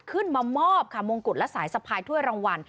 ขึ้นมามอบค่ะมงกุฎและสายสะพายถ้วยรางวัล